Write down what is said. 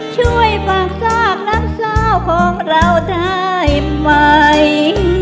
ช่วยฝากซากน้ำสาวของเราได้ไหม